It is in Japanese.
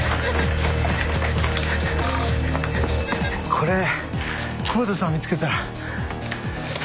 これ久保田さん見つけたら。